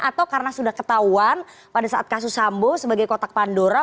atau karena sudah ketahuan pada saat kasus sambo sebagai kotak pandora